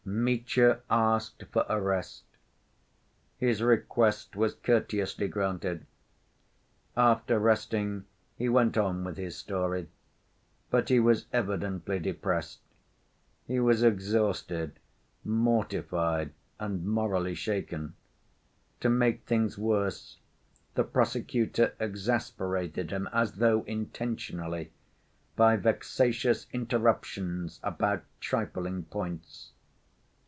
Mitya asked for a rest. His request was courteously granted. After resting, he went on with his story. But he was evidently depressed. He was exhausted, mortified and morally shaken. To make things worse the prosecutor exasperated him, as though intentionally, by vexatious interruptions about "trifling points."